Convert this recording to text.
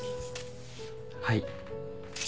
はい。